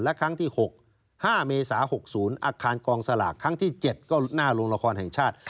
และครั้งที่๖๕เมษา๖๐อาคารกองสลากครั้งที่๗ก็หน้าโรงละครแห่งชาติ